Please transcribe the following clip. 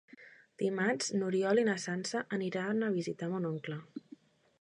Dimarts n'Oriol i na Sança aniran a visitar mon oncle.